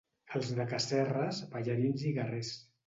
Els de Casserres, ballarins i guerrers.